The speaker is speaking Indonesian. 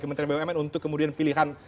kementerian bumn untuk kemudian pilihan